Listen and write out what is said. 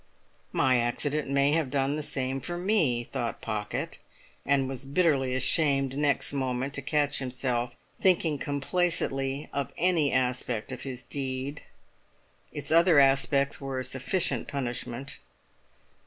"My accident may have done the same for me," thought Pocket—and was bitterly ashamed next moment to catch himself thinking complacently of any aspect of his deed. Its other aspects were a sufficient punishment.